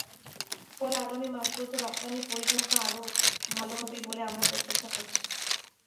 ফলে আগামী মাসগুলোতে রপ্তানি পরিসংখ্যান আরও ভালো হবে বলেই আমরা প্রত্যাশা করছি।